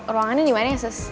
ruangannya dimana ya sus